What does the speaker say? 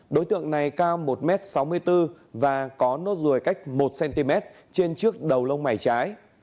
đối tượng này cao một m sáu mươi bốn và có nốt ruồi cách một cm trên trước đầu lông mày trái